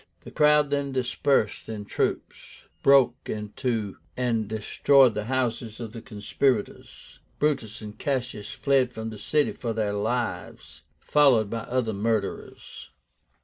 The crowd then dispersed in troops, broke into and destroyed the houses of the conspirators. Brutus and Cassius fled from the city for their lives, followed by the other murderers.